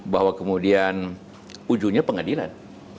bahwa kemudian ujungnya pengadilan